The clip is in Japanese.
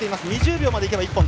２０秒まで行けば一本。